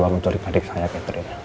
dia yang udah mencari adik saya catherine